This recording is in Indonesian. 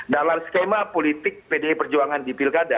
dalam skema politik pdi perjuangan di pilkada